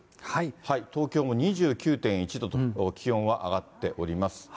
東京も２９．１度と、気温は上がっております。